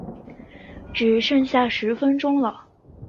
只剩下十分钟了